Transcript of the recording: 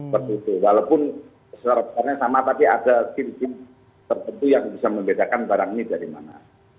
walaupun secara besarnya sama tapi ada tim tim tertentu yang bisa membedakan barang ini dari mana